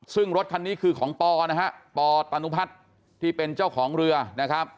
ซึ่งรถคันนี้คือของปอนะฮะปตานุพัฒน์ที่เป็นเจ้าของเรือนะครับ